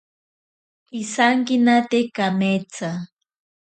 Pisankenate kametsa.